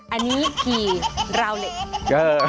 อันนี้กี่ราวเหล็ก